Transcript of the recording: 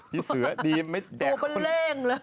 พี่เสือดีไม่กัดคน